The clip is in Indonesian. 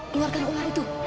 keluarkan ular itu